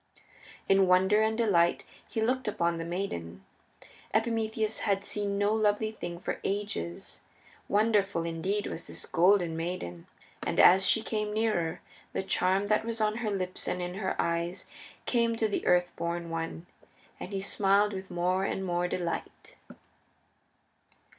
In wonder and delight he looked upon the maiden. Epimetheus had seen no lovely thing for ages. Wonderful indeed was this Golden Maid, and as she came nearer the charm that was on her lips and in her eyes came to the Earth born One, and he smiled with more and more delight.